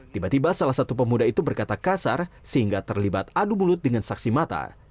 tiba tiba salah satu pemuda itu berkata kasar sehingga terlibat adu mulut dengan saksi mata